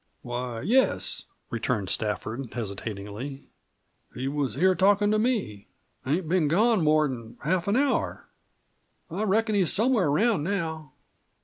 "Why, yes," returned Stafford, hesitatingly; "he was here, talkin' to me. Ain't been gone more'n half an hour. I reckon he's somewhere around now."